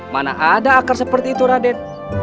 mana ada akar seperti itu raden